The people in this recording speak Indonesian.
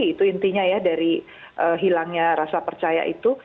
itu intinya ya dari hilangnya rasa percaya itu